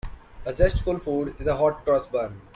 A zestful food is the hot-cross bun.